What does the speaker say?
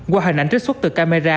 qua hình ảnh trích xuất từ camera